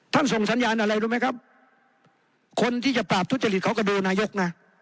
ทุจริตเขาก็ดูนายกนะ